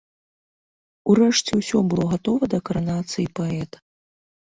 Урэшце ўсё было гатова да каранацыі паэта.